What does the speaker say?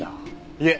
いえ